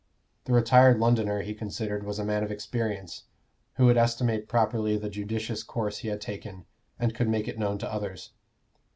The retired Londoner, he considered, was a man of experience, who would estimate properly the judicious course he had taken, and could make it known to others.